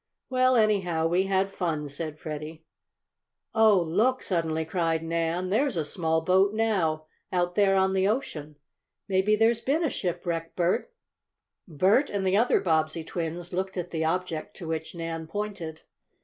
"Well, anyhow, we had fun," said Freddie. "Oh, look!" suddenly cried Nan. "There's a small boat now out there on the ocean. Maybe there's been a shipwreck, Bert!" Bert and the other Bobbsey twins looked at the object to which Nan pointed.